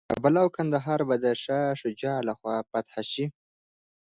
کابل او کندهار به د شاه شجاع لخوا فتح شي.